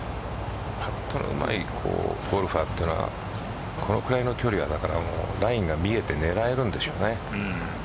パットのうまいゴルファーというのはこのくらいの距離はラインが見えて狙えるんでしょうね。